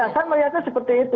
saya melihatnya seperti itu